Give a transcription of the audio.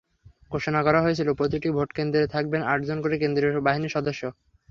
ঘোষণা করা হয়েছিল, প্রতিটি ভোটকেন্দ্রে থাকবেন আটজন করে কেন্দ্রীয় বাহিনীর সদস্য।